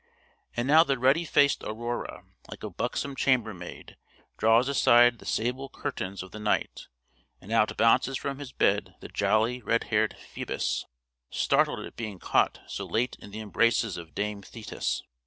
And now the ruddy faced Aurora, like a buxom chambermaid, draws aside the sable curtains of the night, and out bounces from his bed the jolly red haired Phoebus, startled at being caught so late in the embraces of Dame Thetis.